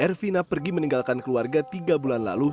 ervina pergi meninggalkan keluarga tiga bulan lalu